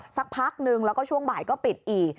สักพักนึงแล้วก็ช่วงบ่ายก็ปิดอีก